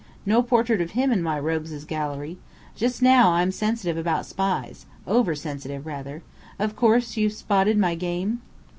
"No portrait of him in my rogues' gallery. Just now, I'm sensitive about spies over sensitive rather. Of course, you've spotted my game?"